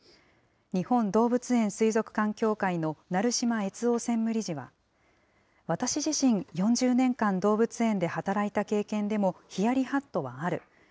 日本動物園水族館協会の成島悦雄専務理事は、私自身、４０年間動物園で働いた経験でもヒヤリハットはある。